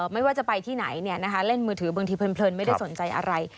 ไม่ว่าจะไปที่ไหนเล่นมือถือบางทีเพลินไม่ได้สนใจอะไร